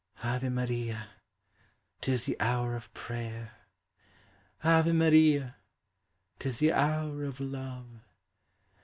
Ave Maria! 'tis the hour of prayer! Ave Marin! 't is the hour ol love.